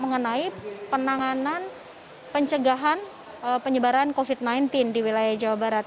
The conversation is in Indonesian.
mengenai penanganan pencegahan penyebaran covid sembilan belas di wilayah jawa barat